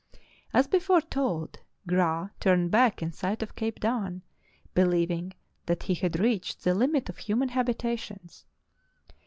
As before told, Graah turned back in sight of Cape Dan, believing that he had reached the limit of human habitations.